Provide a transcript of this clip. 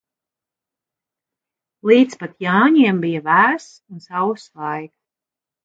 Līdz pat Jāņiem bij vēss un sauss laiks.